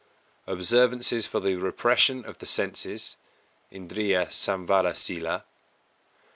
Observances for the repression of the senses (Indriya Samvara Sīla).